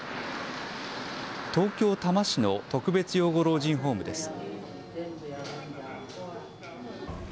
東京多摩市の特別養護老人ホームです。